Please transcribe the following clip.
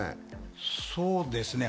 そうですね。